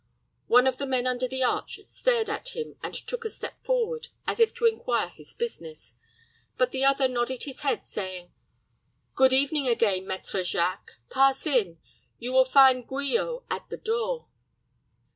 One of the men under the arch stared at him, and took a step forward, as if to inquire his business, but the other nodded his head, saying, "Good evening, again, Maître Jacques. Pass in. You will find Guillot at the door."